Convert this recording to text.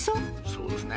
そうですね。